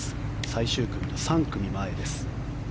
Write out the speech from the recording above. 最終組の３組前です。